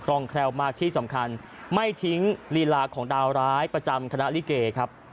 ร่องแคล่วมากที่สำคัญไม่ทิ้งลีลาของดาวร้ายประจำคณะลิเกครับ